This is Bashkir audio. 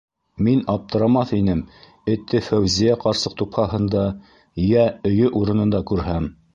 Мин аптырамаҫ инем этте Фәүзиә ҡарсыҡ тупһаһында, йә өйө урынында күрһәм.